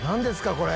これ。